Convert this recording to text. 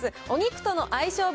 お肉との相性